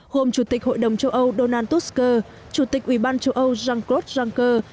gồm chủ tịch hội đồng châu âu donald tusk chủ tịch ủy ban châu âu jean claude juncker